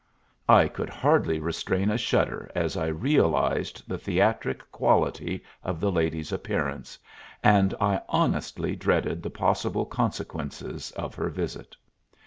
I could hardly restrain a shudder as I realized the theatric quality of the lady's appearance, and I honestly dreaded the possible consequences of her visit.